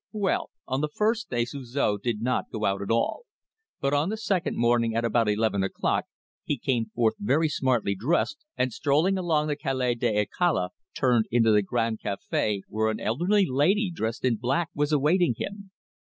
"Well, on the first day Suzor did not go out at all. But on the second morning at about eleven o'clock, he came forth very smartly dressed, and strolling along the Calle de Alcalá turned into the Gran Café where an elderly lady dressed in black was awaiting him.